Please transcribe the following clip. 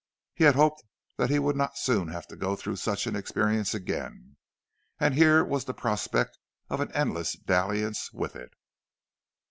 He had hoped that he would not soon have to go through such an experience again—and here was the prospect of an endless dalliance with it!